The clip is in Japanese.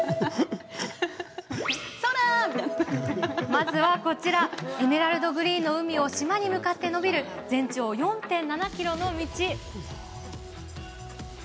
まずは、こちらエメラルドグリーンの海を島に向かってのびる全長４．７ｋｍの道。